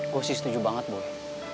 gue sih setuju banget buat